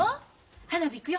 花火行くよ。